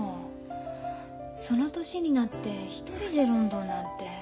その年になって一人でロンドンなんて。